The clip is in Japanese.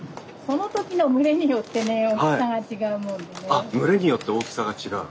あっ群れによって大きさが違う。